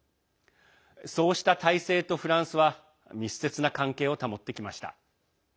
そうした体制とフランスは密接な関係を保ってきました。